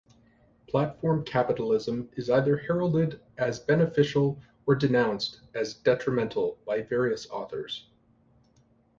Platform capitalism is either heralded as beneficial or denounced as detrimental by various authors.